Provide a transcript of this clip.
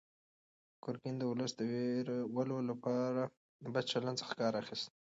ګورګین د ولس د وېرولو لپاره له بد چلند څخه کار اخیست.